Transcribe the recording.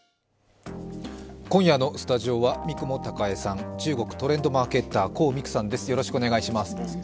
今夜のスタジオは三雲孝江さん、中国トレンドマーケッター、黄未来さんです。